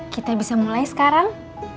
kita bisa mulai sekarang